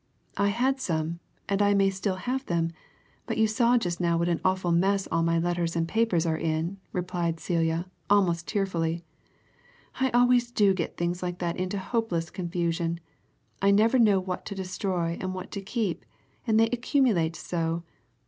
"I had some, and I may have them still, but you saw just now what an awful mess all my letters and papers are in," replied Celia, almost tearfully. "I always do get things like that into hopeless confusion I never know what to destroy and what to keep, and they accumulate so.